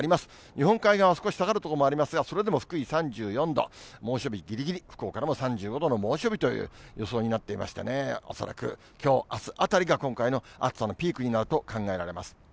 日本海側、少し下がる所もありますが、それでも福井３４度、猛暑日ぎりぎり、福岡でも３５度の猛暑日という予想になっていましてね、恐らくきょう、あすあたりが今回の暑さのピークになると考えられます。